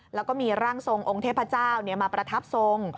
แล้วก็มีร่างทรงองค์เทพเจ้ามาประทับทรง